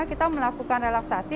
kita melakukan relaksasi